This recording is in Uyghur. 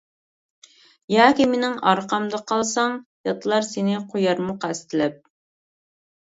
ياكى مېنىڭ ئارقامدا قالساڭ، ياتلار سېنى قويارمۇ قەستلەپ.